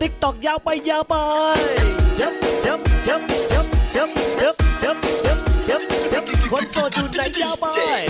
จับจับจับจับจับ